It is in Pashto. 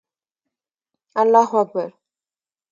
الله اکبر